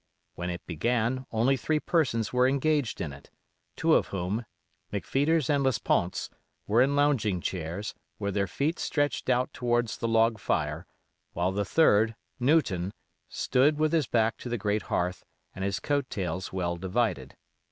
When it began, only three persons were engaged in it, two of whom, McPheeters and Lesponts, were in lounging chairs, with their feet stretched out towards the log fire, while the third, Newton, stood with his back to the great hearth, and his coat tails well divided.